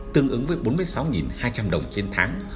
tương ứng với bốn mươi sáu hai trăm linh đồng trên tháng